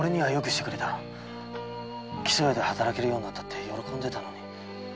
木曽屋で働けるようになったって喜んでいたのに。